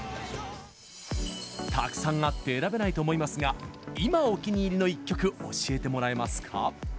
たくさんあって選べないと思いますが今、お気に入りの一曲教えてもらえますか？